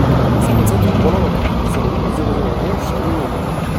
cinquante-sept rue Roland Lambert, zéro huit, zéro zéro zéro Charleville-Mézières